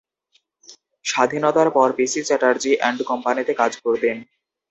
স্বাধীনতার পর P C Chatterjee and কোম্পানিতে কাজ করতেন।